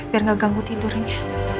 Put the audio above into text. biar gak ganggu tidurnya